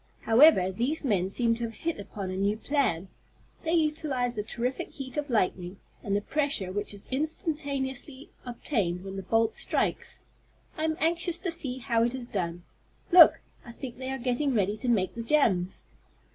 "However, these men seem to have hit upon a new plan. They utilize the terrific heat of lightning, and the pressure which is instantaneously obtained when the bolt strikes. I am anxious to see how it is done. Look, I think they are getting ready to make the gems."